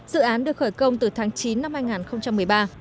dự án được khởi công từ tháng chín năm hai nghìn một mươi ba